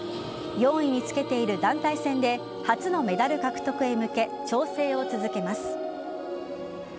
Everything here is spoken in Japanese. ４位につけている団体戦で初のメダル獲得へ向け調整を続けます。